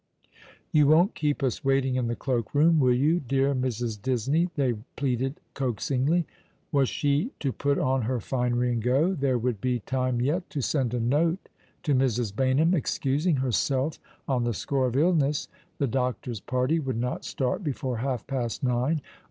" You won't keep us waiting in the cloak room, will you, dear Mrs. Disney ?" they pleaded coaxingly. Was she to put on her finery and go ! There would be time yet to send a note to Mrs. Baynham, excusing herself on the score of illness. The doctor's party would not start before half past nine.